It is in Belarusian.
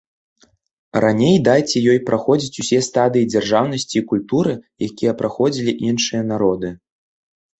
Раней дайце ёй праходзіць усе стадыі дзяржаўнасці і культуры, якія праходзілі іншыя народы.